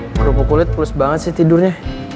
akropokulit pulus banget sih tidurnya